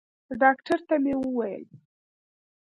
ډاکتر ته مې وويل.